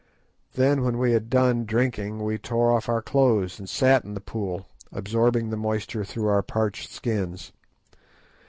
Then when we had done drinking we tore off our clothes and sat down in the pool, absorbing the moisture through our parched skins.